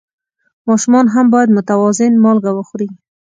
ماشومان هم باید متوازن مالګه وخوري.